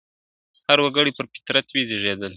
هر وګړی پر فطرت وي زېږېدلی !.